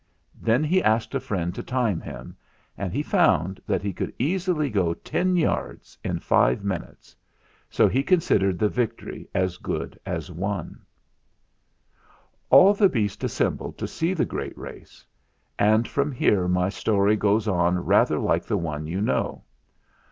Then he asked a friend to time him, and he found that he could easily go ten yards in five minutes, so he considered the victory as good as won. "All the beasts assembled to see the great race; and from here my story goes on rather like the one you know.